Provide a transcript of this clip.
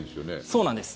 そうなんです。